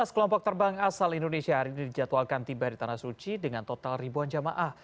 enam belas kelompok terbang asal indonesia hari ini dijadwalkan tiba di tanah suci dengan total ribuan jamaah